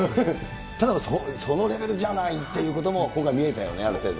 ただ、そのレベルじゃないっていうことも、僕は見えたよね、ある程度。